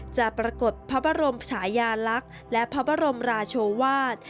จะปรากฏพระบรมชายาลักษณ์และพระบรมราชวาส